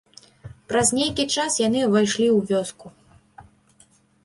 Праз нейкі час яны ўвайшлі ў вёску.